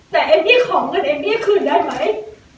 แต่เอมมี่ขอเงินเอมมี่คืนได้ไหม